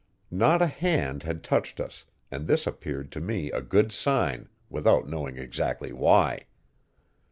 Not a hand had touched us, and this appeared to me a good sign, without knowing exactly why.